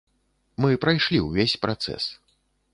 Мы прайшлі ўвесь працэс.